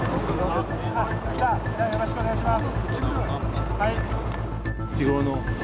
あっ今よろしくお願いします。